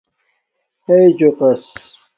ہݵ چوقس